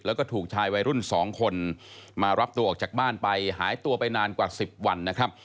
แล้วก็ถูกชายวัยรุ่น๒คนมารับตัวออกจากบ้านไปหายตัวไปนานกว่า๑๐วันนะครับ